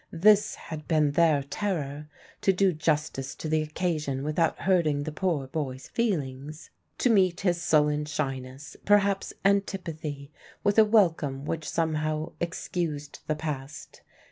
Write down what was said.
This had been their terror to do justice to the occasion without hurting the poor boy's feelings to meet his sullen shyness, perhaps antipathy, with a welcome which somehow excused the past.